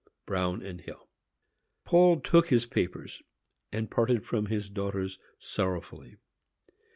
BRUIN & HILL. Paul took his papers, and parted from his daughters sorrowfully.